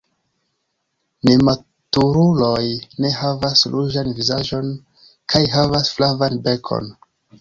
Nematuruloj ne havas ruĝan vizaĝon kaj havas flavan bekon.